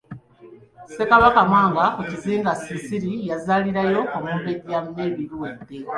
Ssekabaka Mwanga ku Kizinga Sisiri yazaalirayo Omumbejja Mary Luwedde.